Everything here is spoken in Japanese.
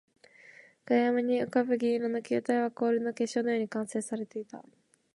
暗闇に浮ぶ銀色の球体は、氷の結晶のように完成されていた